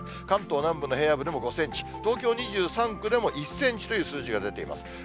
関東南部の平野部でも５センチ、東京２３区でも１センチという数字が出ています。